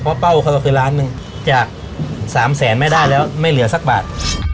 เพราะเป้าเขาก็คือล้านหนึ่งจาก๓แสนไม่ได้แล้วไม่เหลือสักบาท